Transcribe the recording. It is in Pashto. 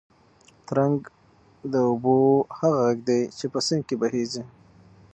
ترنګ د اوبو هغه غږ دی چې په سیند کې بهېږي.